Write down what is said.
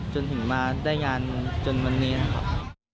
จนถึงมาได้งานจนวันนี้นะครับ